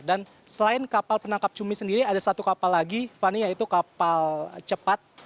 dan selain kapal penangkap cumi sendiri ada satu kapal lagi vani yaitu kapal cepat